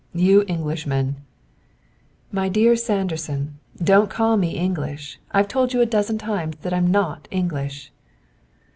You Englishmen " "My dear Sanderson, don't call me English! I've told you a dozen times that I'm not English."